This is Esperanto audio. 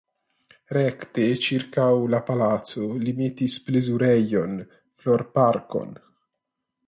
Rekte ĉirkaŭ la palaco li metis plezurejon (florparkon).